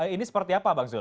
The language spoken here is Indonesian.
ini seperti apa bang zul